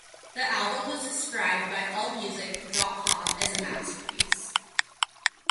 The album was described by allmusic dot com as a masterpiece.